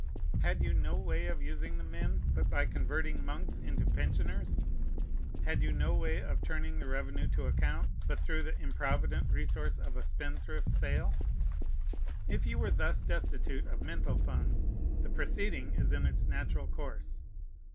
Had you no way of using the men, but by converting monks into pensioners? Had you no way of turning the revenue to account, but through the improvident resource of a spendthrift sale? If you were thus destitute of mental funds, the proceeding is in its natural course.